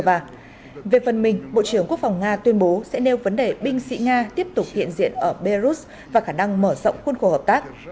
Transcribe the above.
về phần mình bộ trưởng quốc phòng nga tuyên bố sẽ nêu vấn đề binh sĩ nga tiếp tục hiện diện ở belarus và khả năng mở rộng khuôn khổ hợp tác